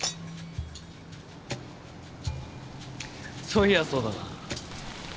そういやそうだな。